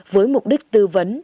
với mục đích tư vấn